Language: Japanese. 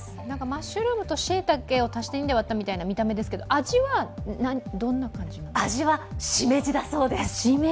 マッシュルームとしいたけを足して２で割ったみたいな形ですけど味は、どんな感じなんですか？